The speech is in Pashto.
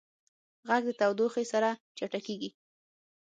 غږ د تودوخې سره چټکېږي.